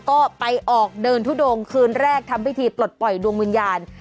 ก็ไปออกเดินทุดงคืนแรกทำพิธีปลดปล่อยดวงวิญญาณ